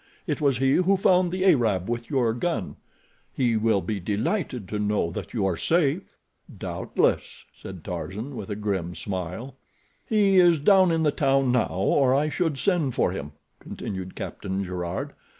It was he who found the Arab with your gun. He will be delighted to know that you are safe." "Doubtless," said Tarzan, with a grim smile. "He is down in the town now, or I should send for him," continued Captain Gerard.